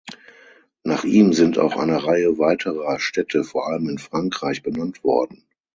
Nach ihm sind auch eine Reihe weiterer Städte, vor allem in Frankreich, benannt worden.